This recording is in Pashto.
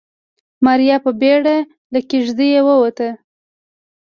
ماريا په بيړه له کېږدۍ ووته.